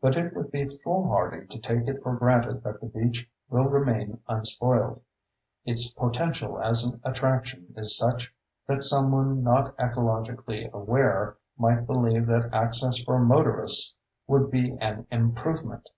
But it would be foolhardy to take it for granted that the beach will remain unspoiled. Its potential as an attraction is such that someone not ecologically aware might believe that access for motorists would be an improvement.